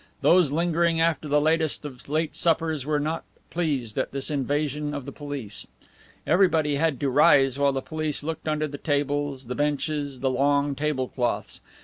Those lingering after the latest of late suppers were not pleased at this invasion of the police. Everybody had to rise while the police looked under the tables, the benches, the long table cloths.